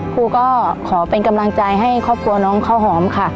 ครูก็ขอเป็นกำลังใจให้ครอบครัวน้องข้าวหอมค่ะ